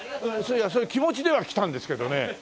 いやそういう気持ちでは来たんですけどね。